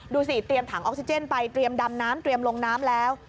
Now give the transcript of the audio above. เตรียมถังออกซิเจนไปเตรียมดำน้ำเตรียมลงน้ำแล้ว